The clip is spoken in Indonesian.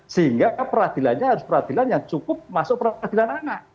sehingga peradilannya harus peradilan yang cukup masuk peradilan anak